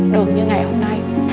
được như ngày hôm nay